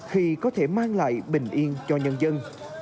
khi có thể mang lại bình yên cho nhân dân